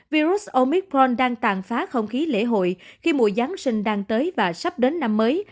virus omicron đang tàn phá không khí lễ hội khi mùa giáng sinh đang tới và sắp đến năm mới